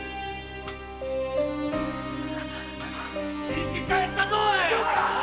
生き返ったぞ！